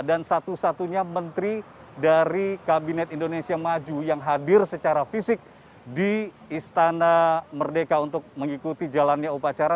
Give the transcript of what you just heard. dan satu satunya menteri dari kabinet indonesia maju yang hadir secara fisik di istana merdeka untuk mengikuti jalannya upacara